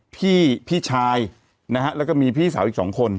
พี่ชายแล้วก็มีพี่สาวอีก๒คน